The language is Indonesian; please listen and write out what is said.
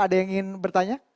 ada yang ingin bertanya